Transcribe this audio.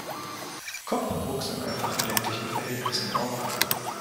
Cobb wuchs in einfachen ländlichen Verhältnissen auf.